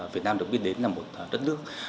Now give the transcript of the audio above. việt nam được biết đến là một đất nước